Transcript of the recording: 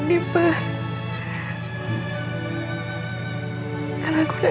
karena aku udah gagal yang pertama